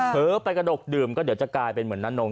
เผลอไปกระดกดื่มก็เดี๋ยวจะกลายเป็นเหมือนน้านง